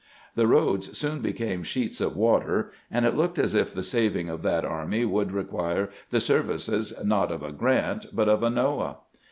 The roads soon became sheets of water, and it looked as if the saving of that army would re quire the services, not of a Grrant, but of a Noah.